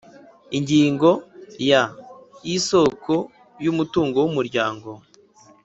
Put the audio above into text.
Ingingo ya isoko y umutungo w umuryango